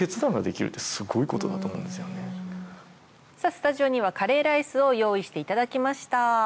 スタジオにはカレーライスを用意していただきました。